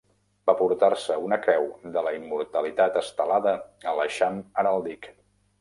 Va portar-se una Creu de la Immortalitat estelada a l'eixam heràldic.